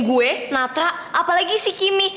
gue matra apalagi si kimi